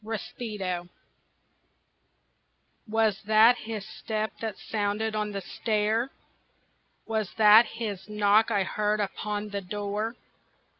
Rispetto Was that his step that sounded on the stair? Was that his knock I heard upon the door?